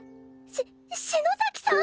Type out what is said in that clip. し篠崎さん！？